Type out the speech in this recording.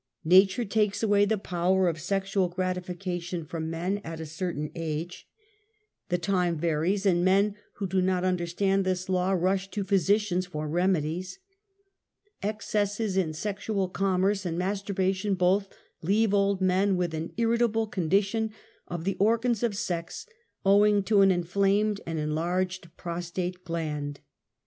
^Tatiire takes away the power of sexual gratification from men at a certain age. The time varies, and men who do not understand this law, rush to physicians for remedies.. Excesses in sexual commerce and masturbation both leave old men with an irritable condition of the or gans of sex, owing to an inflamed and enlarged i3ros tate gland.